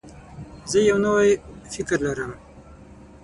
زه یو نوی فکر لرم.